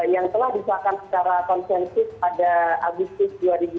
yang telah disahkan secara konsensus pada agustus dua ribu dua puluh